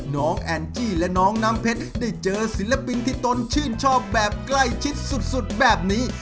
น้องแอนจี้และน้องน้ำเพชรได้เจอศิลปินที่ตนชื่นชอบแบบใกล้ชิดสุดแบบนี้